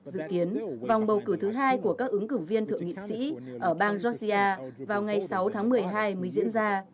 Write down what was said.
dự kiến vòng bầu cử thứ hai của các ứng cử viên thượng nghị sĩ ở bang georgia vào ngày sáu tháng một mươi hai mới diễn ra